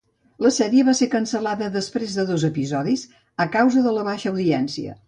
La sèrie va ser cancel·lada després de dos episodis a causa de la baixa audiència.